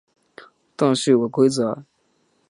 但是有个规则